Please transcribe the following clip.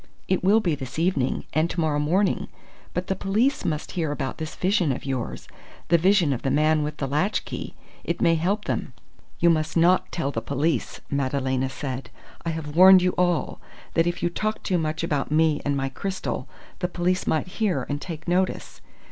"It will be this evening and to morrow morning! But the police must hear about this vision of yours, the vision of the man with the latchkey. It may help them." "You must not tell the police!" Madalena said, "I have warned you all, that if you talked too much about me and my crystal, the police might hear and take notice.